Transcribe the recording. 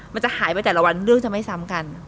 มันจะหายไปแต่ละวันเรื่องจะไม่ซ้ำกัน